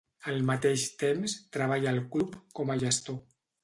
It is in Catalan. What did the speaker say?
Al mateix temps, treballa al club com a gestor.